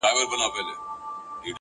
ولاړ انسان به وي ولاړ تر اخریته پوري _